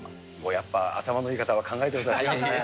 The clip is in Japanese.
やっぱ頭のいい方は考えてることが違いますね。